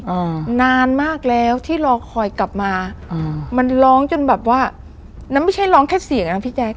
อ่านานมากแล้วที่รอคอยกลับมาอืมมันร้องจนแบบว่านั้นไม่ใช่ร้องแค่เสียงนะพี่แจ๊ค